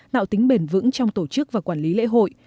tạo tính bền vững trong tổ chức và quản lý lễ hội